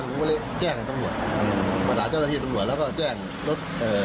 ผมก็เลยแจ้งต้นบ่วนมาตราเจ้าหน้าที่ต้นบ่วนแล้วก็แจ้งรถเอ่อ